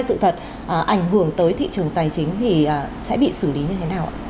sự thật ảnh hưởng tới thị trường tài chính thì sẽ bị xử lý như thế nào ạ